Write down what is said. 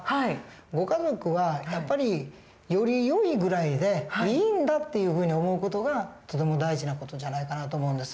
ご家族はやっぱりよりよいぐらいでいいんだっていうふうに思う事がとても大事な事じゃないかなと思うんです。